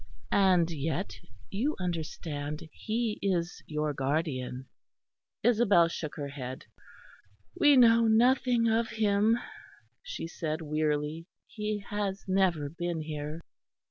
And yet, you understand, he is your guardian." Isabel shook her head. "We know nothing of him," she said, wearily, "he has never been here."